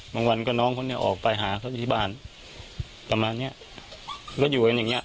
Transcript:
บางวันก็น้องเขาออกไปหาเขาที่บ้านประมาณนี้ก็อยู่กันอย่างนี้